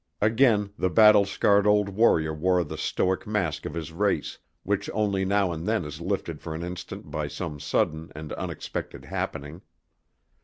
Again the battle scarred old warrior wore the stoic mask of his race, which only now and then is lifted for an instant by some sudden and unexpected happening.